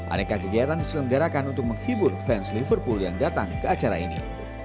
aneka kegiatan diselenggarakan untuk menghibur fans liverpool yang datang ke acara ini